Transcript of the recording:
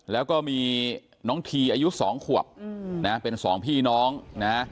แล้วก็มีน้องทีอายุ๒ขวบนะเป็นสองพี่น้องนะ